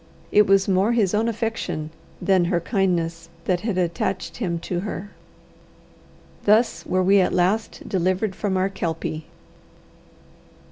It was more his own affection than her kindness that had attached him to her. Thus were we at last delivered from our Kelpie.